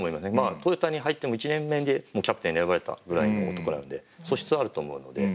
トヨタに入っても１年目でキャプテンに選ばれたぐらいの男なので素質あると思うので。